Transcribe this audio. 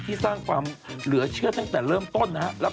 สร้างความเหลือเชื่อตั้งแต่เริ่มต้นนะครับ